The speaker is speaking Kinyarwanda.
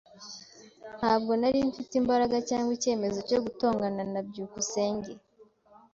Ntabwo nari mfite imbaraga cyangwa icyemezo cyo gutongana na byukusenge.